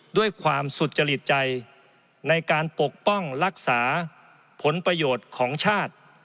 ด้วยความสุจริตใจในการปกป้องรักษาผลประโยชน์ของชาติ